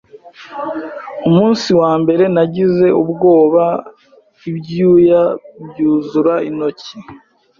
Umunsi wa mbere nagize ubwoba ibyuya byuzura intoki